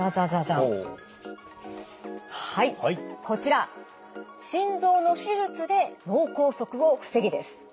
こちら「心臓の手術で脳梗塞を防げ！」です。